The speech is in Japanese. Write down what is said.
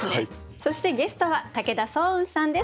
そしてゲストは武田双雲さんです。